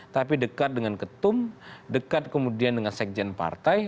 tapi dekat dengan ketum dekat kemudian dengan sekjen partai